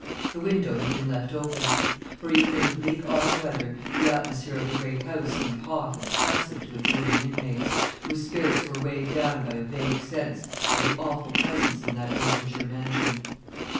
The window had been left open; for even in the bleak autumn weather the atmosphere of the great house seemed hot and oppressive to its living inmates, whose spirits were weighed down by a vague sense of the Awful Presence in that Lincolnshire mansion.